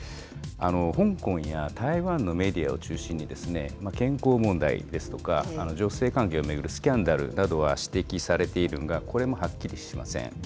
香港や台湾のメディアを中心に、健康問題ですとか、女性関係を巡るスキャンダルなどは指摘されているが、これもはっきりしません。